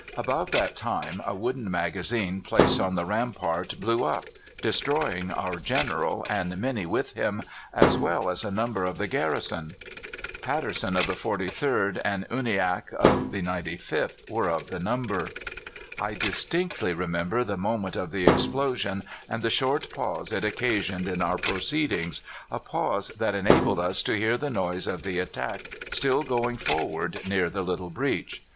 About that time a wooden magazine placed on the rampart blew up, destroying our General and many with him, as well as a number of the garrison. Patterson of the 43rd and Uniacke of the 95th were of the number. "I distinctly remember the moment of the explosion and the short pause it occasioned in our proceedings a pause that enabled us to hear the noise of the attack still going forward near the little breach.